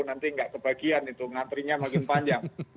nanti nggak kebagian itu ngantrinya makin panjang